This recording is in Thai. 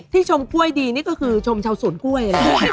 ชมกล้วยดีนี่ก็คือชมชาวสวนกล้วย